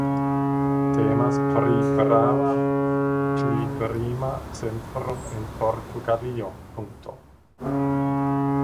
Temas pri grava pligrima centro en Portugalio.